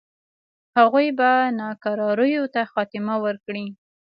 هغوی به ناکراریو ته خاتمه ورکړي.